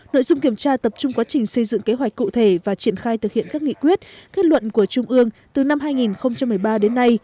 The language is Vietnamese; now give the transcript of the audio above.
nội dung kiểm tra tập trung quá trình xây dựng kế hoạch cụ thể và triển khai thực hiện các nghị quyết kết luận của trung ương từ năm hai nghìn một mươi ba đến nay